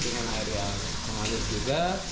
nah dia mengalir juga